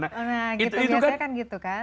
nah gitu biasanya kan gitu kan